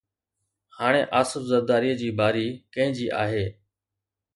هاڻي آصف زرداريءَ جي باري ڪنهن جي آهي؟